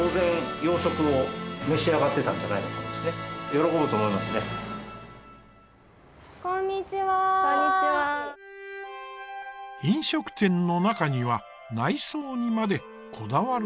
飲食店の中には内装にまでこだわる店も。